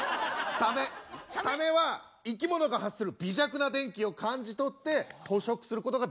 サメは生き物が発する微弱な電気を感じ取って捕食することができるんですよ。